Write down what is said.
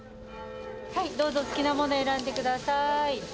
はいどうぞ好きなもの選んで下さい。